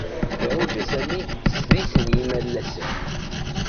Iruja Sami sḍis n yimalasen.